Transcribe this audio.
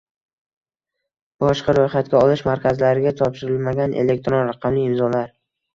Boshqa ro‘yxatga olish markazlariga topshirilmagan elektron raqamli imzolar